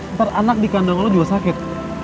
ntar anak di kandang lo juga sakit